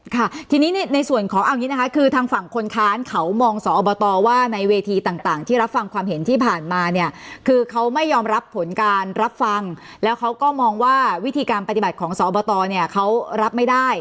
ค่ะทีนี้ในส่วนของเอาอย่างนี้นะคะคือทางฝั่งคนค้านเขามองสอบตว่าในเวทีต่างที่รับฟังความเห็นที่ผ่านมาเนี่ยคือเขาไม่ยอมรับผลการรับฟังแล้วเขาก็มองว่าวิธีการปฏิบัติของสอบตเนี่ยเขารับไม่ได้